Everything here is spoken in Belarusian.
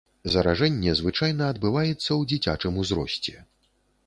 Заражэнне звычайна адбываецца ў дзіцячым узросце.